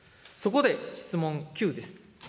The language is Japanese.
そこで質問９です。